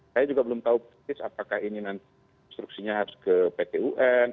saya juga belum tahu persis apakah ini nanti instruksinya harus ke pt un